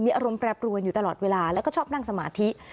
อารมณ์แปรปรวนอยู่ตลอดเวลาแล้วก็ชอบนั่งสมาธิ